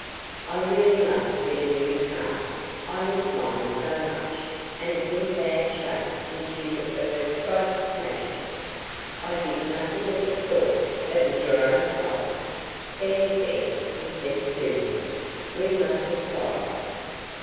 "I really must get a new car. I miss mine so much, and it's in bad shape since you er tried to smash me." "I did nothing of the sort. It was your own fault." "There, there," he said soothingly. "We mustn't quarrel."